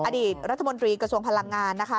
อดีตรัฐมนตรีกระทรวงพลังงานนะคะ